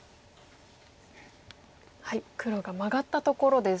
黒がマガったところです。